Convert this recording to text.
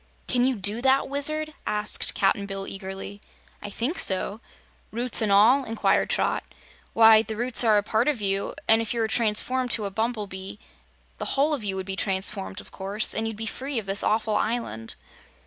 "Can you do that, Wizard?" asked Cap'n Bill, eagerly. "I think so." "Roots an' all?" inquired Trot. "Why, the roots are now a part of you, and if you were transformed to a bumblebee the whole of you would be transformed, of course, and you'd be free of this awful island."